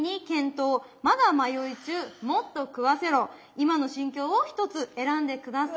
今の心境を１つ選んで下さい。